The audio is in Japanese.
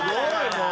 もう。